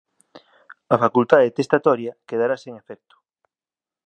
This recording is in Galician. A facultade testatoria quedará sen efecto